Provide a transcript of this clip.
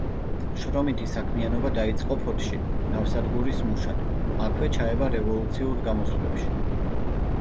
შრომითი საქმიანობა დაიწყო ფოთში, ნავსადგურის მუშად; აქვე ჩაება რევოლუციურ გამოსვლებში.